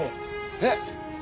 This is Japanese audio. えっ！？